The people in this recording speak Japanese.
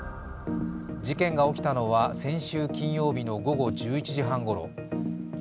事件が起きたのは先週金曜日の午後１１時半ごろ。